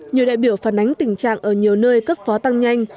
nhiều đại biểu phản ánh tình trạng ở nhiều nơi cấp phó tăng nhanh